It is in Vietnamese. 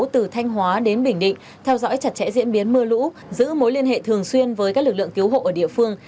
từ thanh hóa đến bình định theo dõi chặt chẽ diễn biến mưa lũ giữ mối liên hệ thường xuyên với các lực lượng cứu hộ ở địa phương